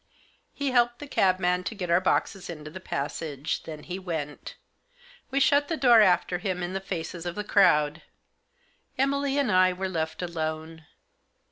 He helped the cabman to get our boxes into the passage. Then he went We shut the door after him in the faces of the crowd. Emily and I were left alone.